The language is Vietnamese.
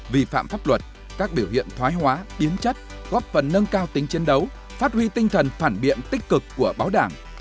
vi phạm pháp luật các biểu hiện thoái hóa biến chất góp phần nâng cao tính chiến đấu phát huy tinh thần phản biện tích cực của báo đảng